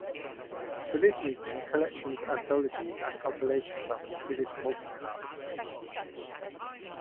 For this reason, collections, anthologies, and compilations are considered multicarts.